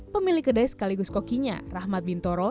pemilik kedai sekaligus kokinya rahmat bintoro